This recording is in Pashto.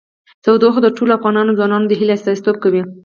تودوخه د ټولو افغان ځوانانو د هیلو استازیتوب کوي.